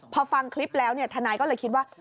พอฟังคลิปแล้วทนายก็เลยคิดว่า